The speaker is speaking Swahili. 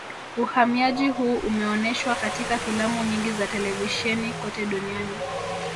Uhamiaji huu umeoneshwa katika filamu nyingi za televisheni kote duniani